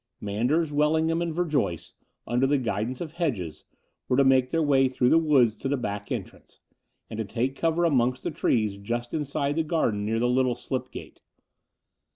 Manders, Wellingham, and Verjoyce, tmder the guidance of Hedges, were to make their way through the woods to the back entrance, and to take cover amongst the trees just inside the garden near the little slip gate.